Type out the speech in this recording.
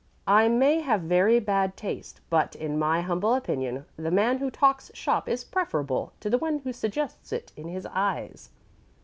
I may have very bad taste, but, in my humble opinion, the man who talks shop is preferable to the one who suggests it in his eyes.